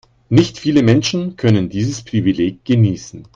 Nicht viele Menschen können dieses Privileg genießen.